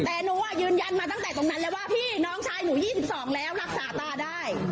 แต่หนูยืนยันมาตั้งแต่ตรงนั้นแล้วว่าพี่น้องชายหนู๒๒แล้วรักษาตาได้